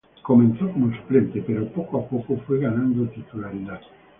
Comenzó como suplente pero de a poco fue ganando titularidad.